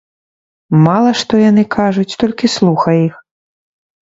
Мала што яны кажуць, толькі слухай іх!